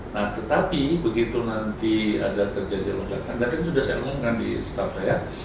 nah tetapi begitu nanti ada terjadi lonjakan tadi sudah saya umumkan di staff saya